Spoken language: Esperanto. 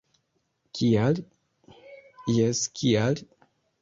- Kial? - Jes, kial?